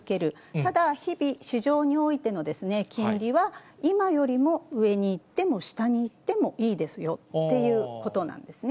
ただ、日々、市場においての金利は今よりも上に行っても下に行ってもいいですよっていうことなんですね。